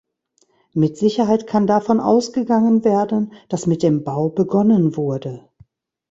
Mit Sicherheit kann davon ausgegangen werden, dass mit dem Bau begonnen wurde.